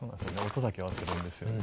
音だけはするんですよね。